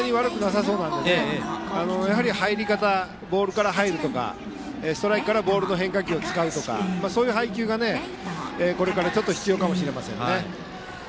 やはり入り方ボールから入るとかストライクからボールの変化球を使うとかそういう配球がこれから必要かもしれません。